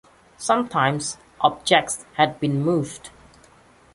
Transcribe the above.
Sometimes, objects had been moved.